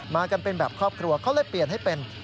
มากันเป็นแบบครอบครัวเขาเลยเปลี่ยนให้เป็น